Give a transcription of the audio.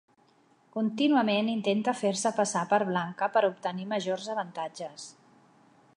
Contínuament intenta fer-se passar per blanca per obtenir majors avantatges.